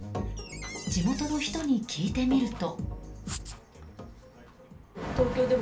地元の人に聞いてみると。